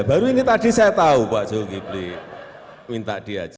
baru ini tadi saya tahu pak zulkifli minta diajak